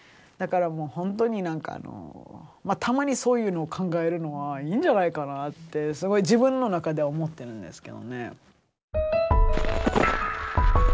だからもうほんとになんかまあたまにそういうのを考えるのはいいんじゃないかなってすごい自分の中では思ってるんですけどね。